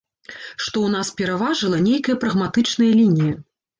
Што ў нас пераважыла нейкая прагматычная лінія.